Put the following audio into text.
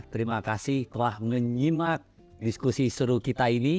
terima kasih telah menyimak diskusi seru kita ini